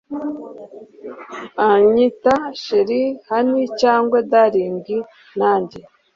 anyita chr honey cyangwa darling nanjye